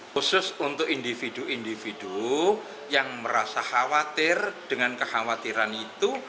khusus untuk individu individu yang merasa khawatir dengan kekhawatiran itu